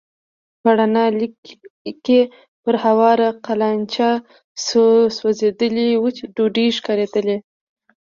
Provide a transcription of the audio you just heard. په رڼه لېکه کې پر هواره قالينچه څو سوځېدلې وچې ډوډۍ ښکارېدلې.